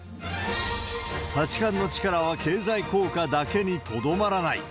八冠の力は経済効果だけにとどまらない。